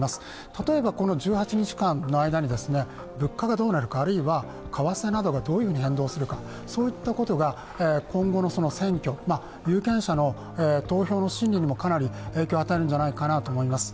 例えば１８日間の間に物価がどうなるか、あるいは為替などがどういうふうに変動するかといったことが今後の選挙、有権者の投票心理にもかなり影響を与えるんじゃないかと思います。